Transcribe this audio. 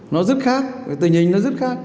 nó rất khác cái tình hình nó rất khác